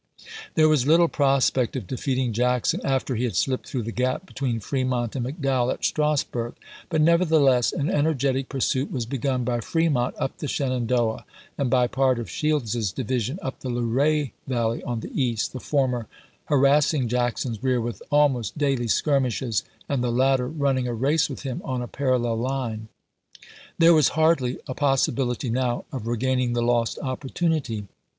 There was little prospect of defeating Jackson after he had slipped through the gap between Fre mont and McDowell at Strasburg; but nevertheless an energetic pursuit was begun by Fremont up the Shenandoah and by part of Shields's division up the Luray Valley on the east, the former harass ing Jackson's rear with almost daily skirmishes, and the latter running a race with him on a parallel line. There was hardly a possibility now of regain ing the lost opportunity.